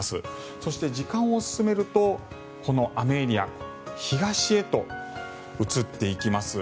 そして時間を進めるとこの雨エリア東へと移っていきます。